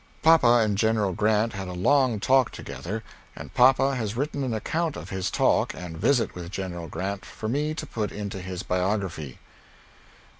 Papa and General Grant had a long talk together and papa has written an account of his talk and visit with General Grant for me to put into this biography.